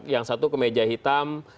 yang satu ke meja hitam